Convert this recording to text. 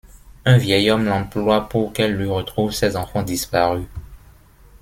Un vieil homme l'emploie pour qu'elle lui retrouve ses enfants disparus.